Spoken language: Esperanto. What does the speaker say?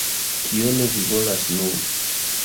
Kion vi volas nun?